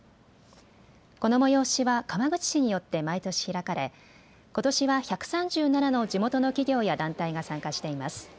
この催しは川口市によって毎年開かれことしは１３７の地元の企業や団体が参加しています。